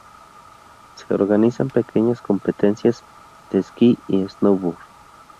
Se organizan pequeñas competencias de ski y snowboard.